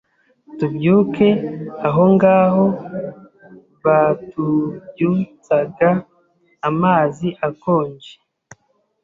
tubyuke ahongaho btubyutsag amazi akonje